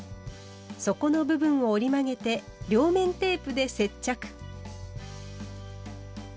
底の部分を折り曲げて両面テープで接着。